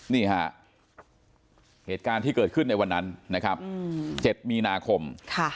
นี่ฮะเหตุการณ์ที่เกิดขึ้นในวันนั้นนะครับ๗มีนาคม